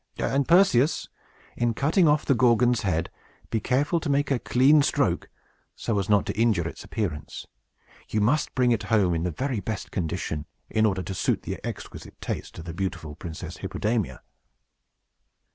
"And, Perseus, in cutting off the Gorgon's head, be careful to make a clean stroke, so as not to injure its appearance. You must bring it home in the very best condition, in order to suit the exquisite taste of the beautiful Princess Hippodamia."